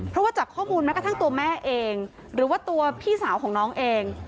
เพราะว่าจากข้อมูลแม้กระทั่งตัวแม่เองหรือว่าตัวพี่สาวของน้องเอง